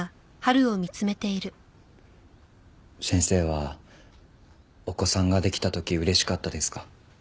先生はお子さんができた時嬉しかったですか？